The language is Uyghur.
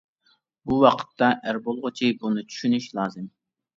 بۇ ۋاقىتتا ئەر بولغۇچى بۇنى چۈشىنىش لازىم.